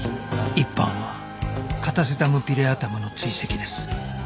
一班はカタセタムピレアタムの追跡です